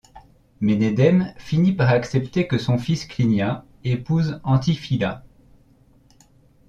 Ménédème finit par accepter que son fils Clinia épouse Antiphila.